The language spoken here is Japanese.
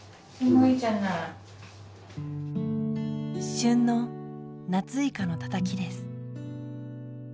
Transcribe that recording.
旬の夏イカのたたきです。